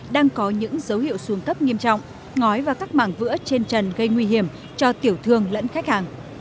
đang có những dấu hiệu xuống cấp nghiêm trọng ngói và các mảng vữa trên trần gây nguy hiểm cho tiểu thương lẫn khách hàng